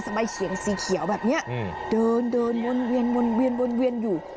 สมัยเคียงสีเขียวแบบเนี้ยเดินมนเวียนอยู่